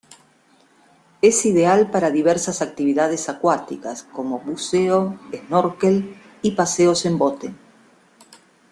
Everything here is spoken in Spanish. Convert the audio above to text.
Es ideal para diversas actividades acuáticas como buceo, snorkel y paseos en bote.